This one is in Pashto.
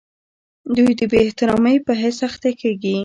دوی د بې احترامۍ په حس اخته کیږي.